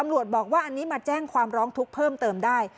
บอกว่าอันนี้มาแจ้งความร้องทุกข์เพิ่มเติมได้